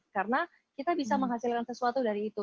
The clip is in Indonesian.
karena kita bisa menghasilkan sesuatu dari itu